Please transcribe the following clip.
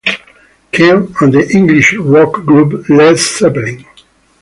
King, and the English rock group Led Zeppelin.